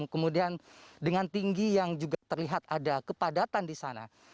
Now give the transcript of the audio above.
kemudian dengan tinggi yang juga terlihat ada kepadatan di sana